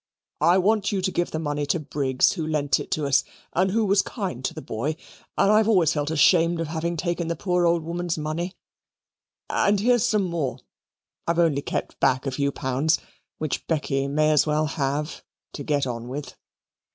I want you to give the money to Briggs, who lent it to us and who was kind to the boy and I've always felt ashamed of having taken the poor old woman's money. And here's some more I've only kept back a few pounds which Becky may as well have, to get on with."